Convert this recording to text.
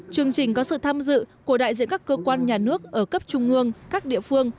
chương trình có sự tham dự của đại diện các cơ quan nhà nước ở cấp trung ương các địa phương